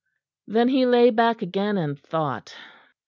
Then he lay back again, and thought.